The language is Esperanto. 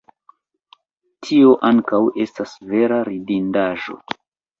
Tio ankaŭ estas vera ridindaĵo.